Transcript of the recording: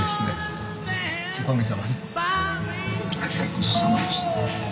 ごちそうさまでした。